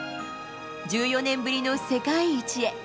１４年ぶりの世界一へ。